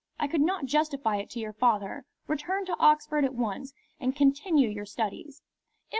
I could not justify it to your father. Return to Oxford at once, and continue your studies."